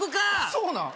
そうなん？